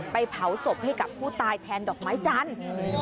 เผาศพให้กับผู้ตายแทนดอกไม้จันทร์